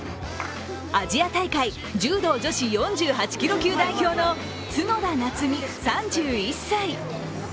アジア大会柔道女子４８キロ級代表の角田夏実３１歳。